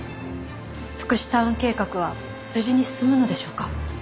福祉タウン計画は無事に進むのでしょうか？